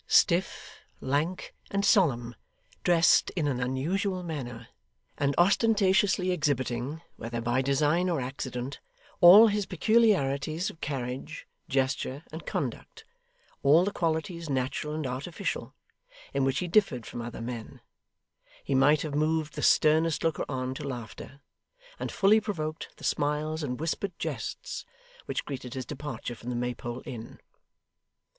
Stiff, lank, and solemn, dressed in an unusual manner, and ostentatiously exhibiting whether by design or accident all his peculiarities of carriage, gesture, and conduct, all the qualities, natural and artificial, in which he differed from other men; he might have moved the sternest looker on to laughter, and fully provoked the smiles and whispered jests which greeted his departure from the Maypole inn.